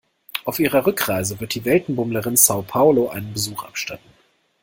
Auf ihrer Rückreise wird die Weltenbummlerin Sao Paulo einen Besuch abstatten.